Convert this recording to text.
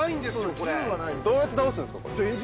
これ・どうやって倒すんですか？